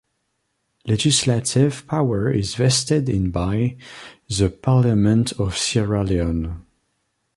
Legislative power is vested in by the Parliament of Sierra Leone.